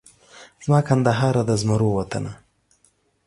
زما کندهاره د زمرو وطنه